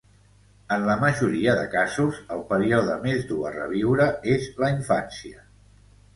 En la majoria de casos, el període més dur a reviure és la infància.